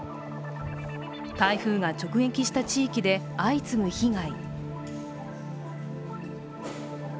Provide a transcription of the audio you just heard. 台風が直撃した地域で相次ぐ被害。